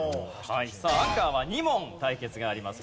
さあアンカーは２問対決があります。